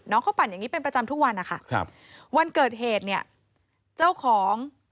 เขาปั่นอย่างงี้เป็นประจำทุกวันนะคะครับวันเกิดเหตุเนี่ยเจ้าของ